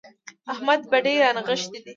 احمد بډې رانغښتې دي.